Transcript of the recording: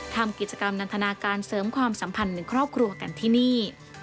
ทำกิจกรรมนันทนาการเสริมความสัมพันธ์ในครอบครัวกันที่นี่